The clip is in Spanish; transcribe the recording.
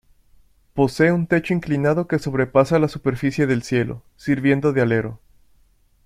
Posee un techo inclinado que sobrepasa la superficie del cielo, sirviendo de alero.